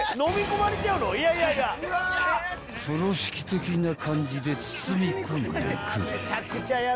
［風呂敷的な感じで包み込んでくる］